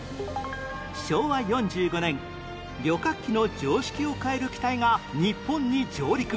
昭和４５年旅客機の常識を変える機体が日本に上陸